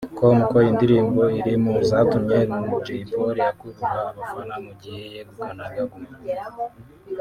com ko iyi ndirimbo iri mu zatumye Jay Polly akurura abafana mu gihe yegukanaga Guma Guma